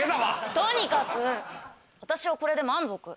とにかく私はこれで満足。